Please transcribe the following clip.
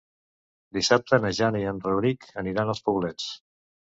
Dissabte na Jana i en Rauric aniran als Poblets.